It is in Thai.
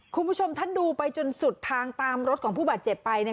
คุณผู้ชมถ้าดูไปจนสุดทางตามรถของผู้บาดเจ็บไปเนี่ย